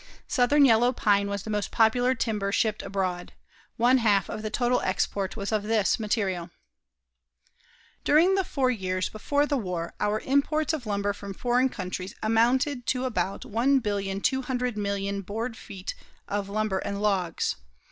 Southern yellow pine was the most popular timber shipped abroad. One half of the total export was of this material. During the four years before the war our imports of lumber from foreign countries amounted to about 1,200,000,000 board feet of lumber and logs.